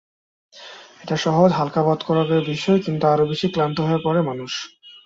এটি সহজ, হালকাবোধ করার বিষয়, কিন্তু আরও বেশি ক্লান্ত হয়ে পড়ে মানুষ।